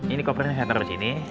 ini kopernya saya taruh di sini